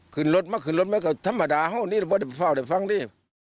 ขึ้นรถมาขึ้นรถมาก็ธรรมดานี่แหละพอฟังนี่